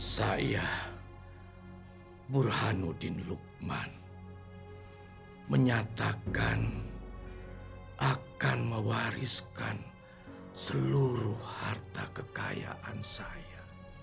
saya burhanuddin luqman menyatakan akan mewariskan seluruh harta kekayaan saya